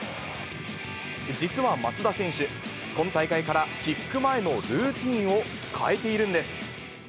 実は松田選手、今大会からキック前のルーティンを変えているんです。